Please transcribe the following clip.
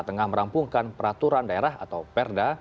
tengah merampungkan peraturan daerah atau perda